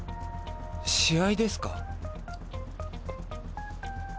試合ですか？